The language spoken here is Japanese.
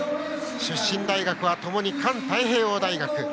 出身大学は、ともに環太平洋大学。